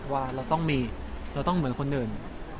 ว่าเราต้องมีเราต้องเหมือนคนอื่น